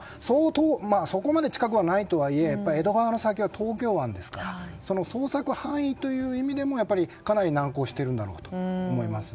そこまで近くはないとはいえ江戸川の先は東京湾ですから捜索範囲という意味でもかなり難航しているんだろうと思います。